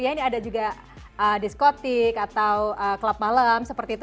ini ada juga diskotik atau klub malam seperti itu